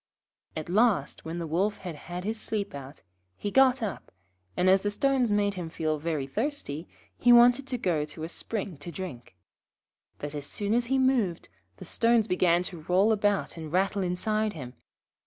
At last, when the Wolf had had his sleep out, he got up, and, as the stones made him feel very thirsty, he wanted to go to a spring to drink. But as soon as he moved the stones began to roll about and rattle inside him.